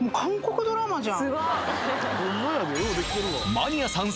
マニアさん